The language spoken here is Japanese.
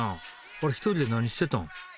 あれ一人で何してたん？